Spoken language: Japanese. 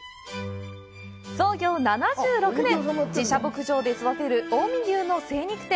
創業７６年、自社牧場で育てる近江牛の精肉店。